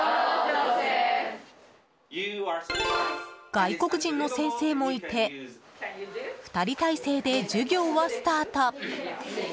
外国人の先生もいて２人体制で授業はスタート。